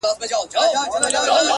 زما د هر شعر نه د هري پيغلي بد راځي ـ